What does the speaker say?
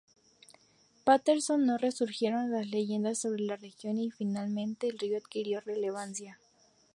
Patterson, no resurgieron las leyendas sobre la región y, finalmente, el río adquirió relevancia.